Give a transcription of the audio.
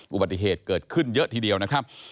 อุบัติเหตุเกิดขึ้นเยอะทีเดียวนะครับ